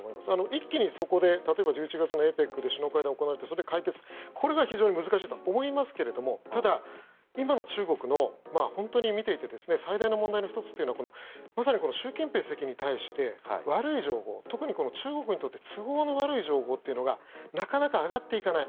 一気にそこで１１月のＡＰＥＣで首脳会談が行われて解決というのは難しいと思いますがただ、今の中国の本当に見ていて最大の問題の１つというのはまさに習近平主席に対して悪い情報特に中国にとって都合の悪い情報というのがなかなか上がっていかない。